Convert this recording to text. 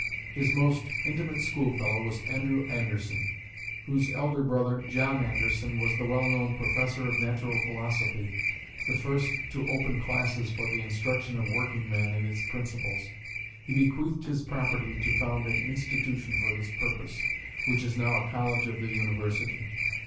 His most intimate schoolfellow was Andrew Anderson, whose elder brother, John Anderson, was the well known Professor of natural philosophy, the first to open classes for the instruction of working men in its principles. He bequeathed his property to found an institution for this purpose, which is now a college of the university.